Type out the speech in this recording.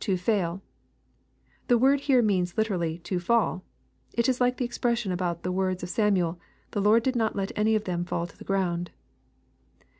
[To fail] The word here means Hterally " to fall." It is like the expression about the words of Samuel, " The Lord did not let any of them fall to the ground."